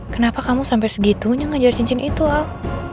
kenapa kamu sampai segitunya ngajar cincin itu el